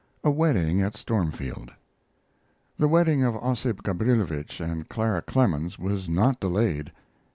A WEDDING AT STORMFIELD The wedding of Ossip Gabrilowitsch and Clara Clemens was not delayed.